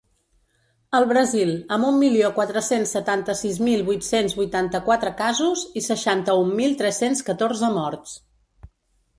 El Brasil, amb un milió quatre-cents setanta-sis mil vuit-cents vuitanta-quatre casos i seixanta-un mil tres-cents catorze morts.